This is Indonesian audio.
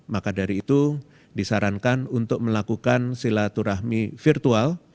maka dari itu disarankan untuk melakukan silaturahmi virtual